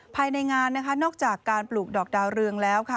ภายในงานนะคะนอกจากการปลูกดอกดาวเรืองแล้วค่ะ